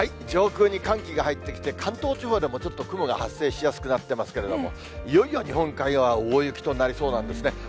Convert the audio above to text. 上空に寒気が入ってきて、関東地方でもちょっと雲が発生しやすくなってますけど、いよいよ日本海側、大雪となりそうなんですね。